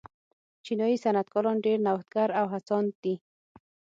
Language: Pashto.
چینايي صنعتکاران ډېر نوښتګر او هڅاند دي.